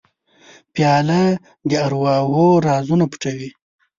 پیاله د ارواحو رازونه پټوي.